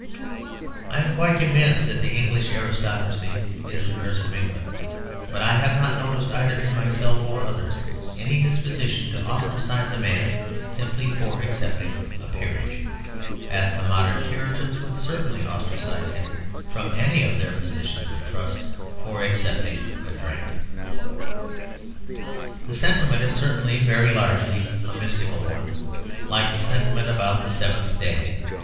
I am quite convinced that the English aristocracy is the curse of England, but I have not noticed either in myself or others any disposition to ostracise a man simply for accepting a peerage, as the modern Puritans would certainly ostracise him (from any of their positions of trust) for accepting a drink. The sentiment is certainly very largely a mystical one, like the sentiment about the seventh day.